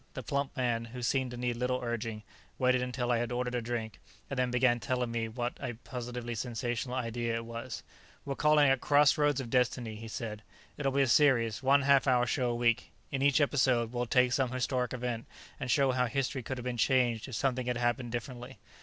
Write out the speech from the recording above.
The plump man, who seemed to need little urging, waited until I had ordered a drink and then began telling me what a positively sensational idea it was. "We're calling it Crossroads of Destiny," he said. "It'll be a series, one half hour show a week; in each episode, we'll take some historic event and show how history could have been changed if something had happened differently.